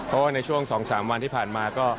เพราะว่าในช่วง๒๓วันที่ผ่านมาก็